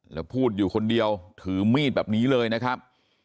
แล้วพูดอยู่คนเดียวถือมีดแบบนี้เลยนะครับ